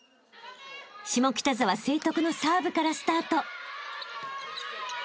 ［下北沢成徳のサーブからスタート］